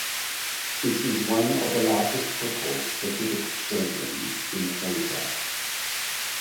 It is one of the largest football specific stadiums in Asia.